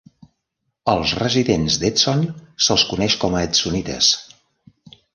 Als residents d'Edson se'ls coneix com a edsonites.